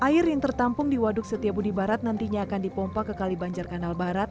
air yang tertampung di waduk setiabudi barat nantinya akan dipompa ke kali banjar kanal barat